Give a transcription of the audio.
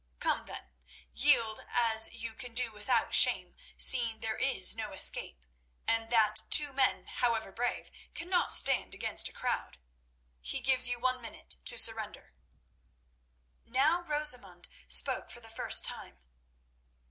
Come then, yield, as you can do without shame, seeing there is no escape, and that two men, however brave, cannot stand against a crowd. He gives you one minute to surrender." Now Rosamund spoke for the first time.